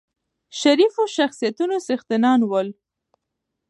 شریفو شخصیتونو څښتنان ول.